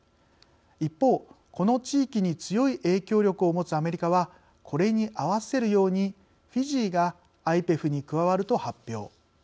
一方、この地域に強い影響力を持つアメリカはこれに合わせるようにフィジーがＩＰＥＦに加わると発表。